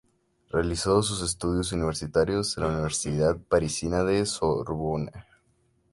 Realizó sus estudios universitarios en la Universidad parisina de La Sorbona.